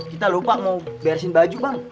kita lupa mau beresin baju bang